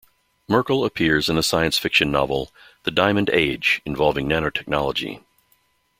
Merkle appears in the science fiction novel "The Diamond Age", involving nanotechnology.